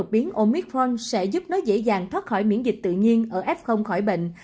biến omitforn sẽ giúp nó dễ dàng thoát khỏi miễn dịch tự nhiên ở f khỏi bệnh